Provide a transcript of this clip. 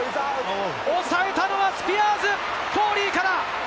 おさえたのはスピアーズのフォーリーから。